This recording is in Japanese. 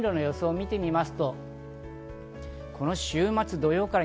雨の予想を見てみます。